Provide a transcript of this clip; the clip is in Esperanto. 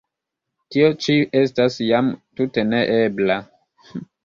Tio ĉi estas jam tute ne ebla!